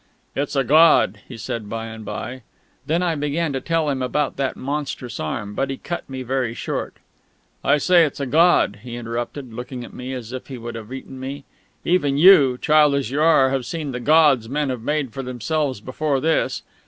"It's a god," he said by and by. Then I began to tell him about that monstrous arm; but he cut me very short. "I say it's a god," he interrupted, looking at me as if he would have eaten me. "Even you, child as you are, have seen the gods men have made for themselves before this.